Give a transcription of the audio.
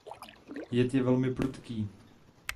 Jed je velmi prudký.